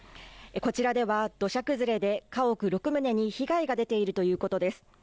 こちらでは土砂崩れで家屋６棟に被害が出ているということです。